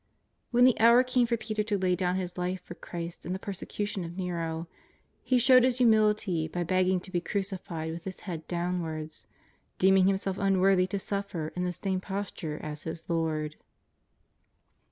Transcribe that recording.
When the hour came for Peter to lay down his life for Christ in the persecution of ISTero, he showed his humility by beg ging to be crucified with his head downwards, deeming himself unworthy to suffer in the same posture as his Lord.